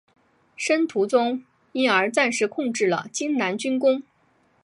申屠琮因而暂时控制了荆南军政。